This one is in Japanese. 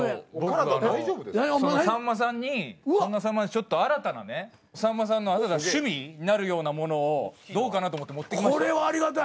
ちょっと新たなねさんまさんの新たな趣味になるようなものをどうかなと思って持ってきました。